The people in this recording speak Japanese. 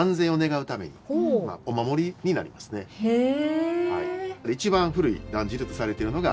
へえ！